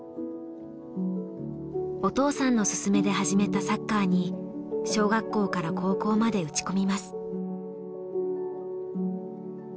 お父さんの勧めで始めたサッカーに小学校から高校まで打ち込みます。